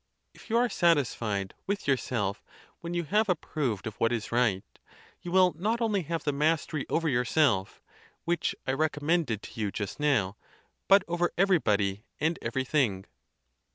If you are satisfied with your self when you have approved of what is right, you will not only have the mastery over yourself (which I recom mended to you just now), but over everybody, and every thing.